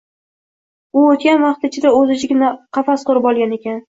U oʻtgan vaqt ichida oʻz ichiga qafas qurib olgan ekan…